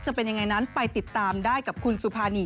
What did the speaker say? จะเป็นยังไงนั้นไปติดตามได้กับคุณสุภานี